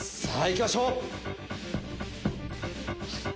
さぁ行きましょう！